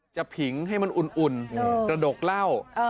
ผิงให้มันอุ่นกระดกเหล้า